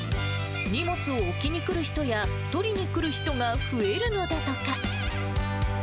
荷物を置きにくる人や、取りに来る人が増えるのだとか。